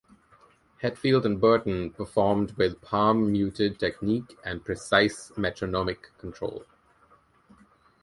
Hetfield and Burton performed with palm muted technique and precise metronomic control.